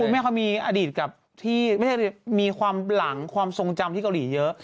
แม่เขามีอดีตกับที่ไม่ใช่มีความหลังความทรงจำที่เกาหลีเยอะ